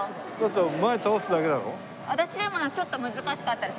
私でもちょっと難しかったです